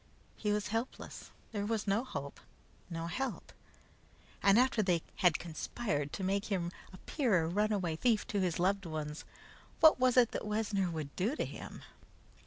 He was helpless. There was no hope, no help. And after they had conspired to make him appear a runaway thief to his loved ones, what was it that Wessner would do to him?